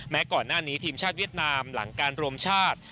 ก่อนหน้านี้ทีมชาติเวียดนามหลังการรวมชาติ